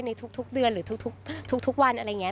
ในทุกเดือนหรือทุกวันอะไรอย่างนี้